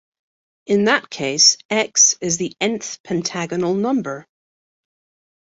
In that case "x" is the "n"th pentagonal number.